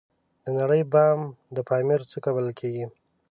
د نړۍ بام د پامیر څوکه بلل کیږي